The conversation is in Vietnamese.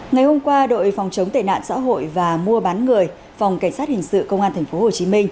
ngày hôm qua đội phòng chống tệ nạn xã hội và mua bán người phòng cảnh sát hình sự công an tp hcm